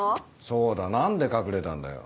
そうだ何で隠れたんだよ。